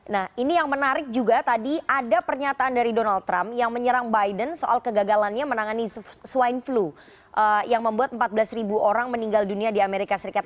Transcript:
nah ini yang menarik juga tadi ada pernyataan dari donald trump yang menyerang biden soal kegagalannya menangani swine flu yang membuat empat belas orang meninggal dunia di amerika serikat